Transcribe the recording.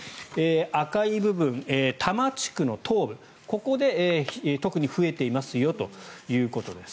赤い部分、多摩地区の東部ここで特に増えていますよということです。